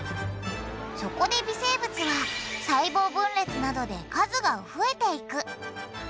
そこで微生物は細胞分裂などで数が増えていく。